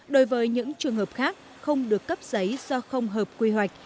đối với những trường hợp khác không được cấp giấy do không hợp quy hoạch